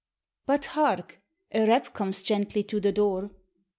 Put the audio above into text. " But, hark ! a rap comes gently to the door.